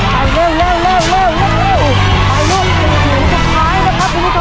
แหลงเลยลูกแหลง